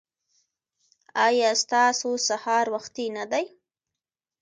ایا ستاسو سهار وختي نه دی؟